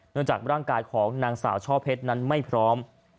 จากร่างกายของนางสาวช่อเพชรนั้นไม่พร้อม